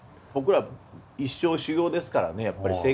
僕ら一生修業ですからねやっぱり。